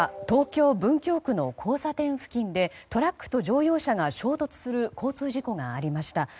東京・文京区の交差点付近でトラックと乗用車が衝突する交通事故がありました。